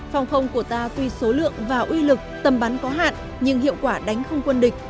phòng không của ta tuy số lượng và uy lực tầm bắn có hạn nhưng hiệu quả đánh không quân địch